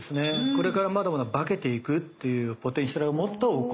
これからまだまだ化けていくっていうポテンシャルを持ったお米。